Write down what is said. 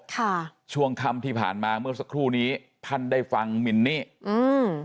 ค่ะช่วงค่ำที่ผ่านมาเมื่อสักครู่นี้ท่านได้ฟังมินนี่อืม